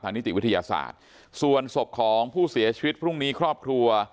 นิติวิทยาศาสตร์ส่วนศพของผู้เสียชีวิตพรุ่งนี้ครอบครัว